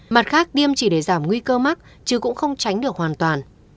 mặt khác tiêm chỉ để giảm nguy cơ mắc chứ cũng không tránh được hoàn toàn